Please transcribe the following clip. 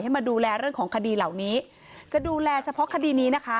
มาดูแลเรื่องของคดีเหล่านี้จะดูแลเฉพาะคดีนี้นะคะ